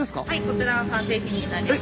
こちら完成品になります。